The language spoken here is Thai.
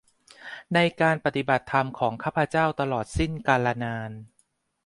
ในการปฏิบัติธรรมของข้าพเจ้าตลอดสิ้นกาลนาน